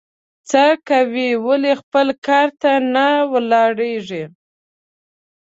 څه کوې ؟ ولي خپل کار ته نه ولاړېږې؟